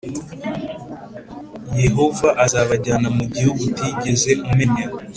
Yehova azabajyana mu gihugu utigeze umenya,